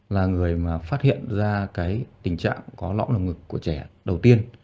là người mà phát hiện ra cái tình trạng có lõng ngực của trẻ đầu tiên